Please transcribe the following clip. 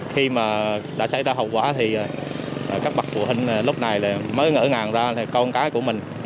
khi mà đã xảy ra hậu quả thì các bậc phụ huynh lúc này mới ngỡ ngàng ra con cái của mình